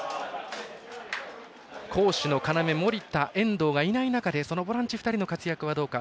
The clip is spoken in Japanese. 攻守の要守田、遠藤がいない中でボランチ２人の活躍はどうか。